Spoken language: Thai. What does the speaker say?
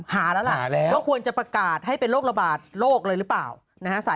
แต่คุณนี่จริงยังนะ